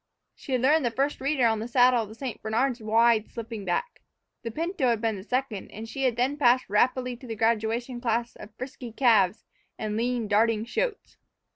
She had learned the First Reader of the saddle on the St. Bernard's wide, slipping back. The pinto had been the Second, and she had then passed rapidly to the graduation class of frisky calves and lean, darting shoats.